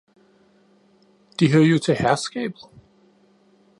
De hører jo til herskabet!